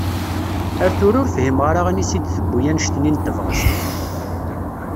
Ar tura ur fhimeɣ ara anisi d-tiwi anect-nni n tebɣest.